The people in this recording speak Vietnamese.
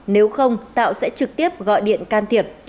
nếu không tạo sẽ trực tiếp gọi điện can thiệp